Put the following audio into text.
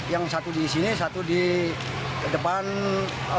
yang satu di sini satu di depan pusat mas panguragan